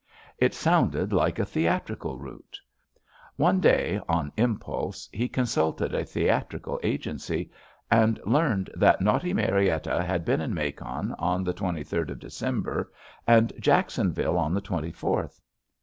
It sounded like a theatrical route. One day, on impulse, he consulted a theatrical agency and learned that Naughty Marietta" had been in Macon on the 23d of December and Jack sonville on the 24th.